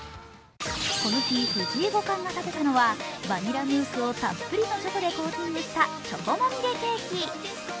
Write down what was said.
この日、藤井五冠が食べたのはバニラムースをたっぷりとチョコでコーティングしたチョコまみれケーキ。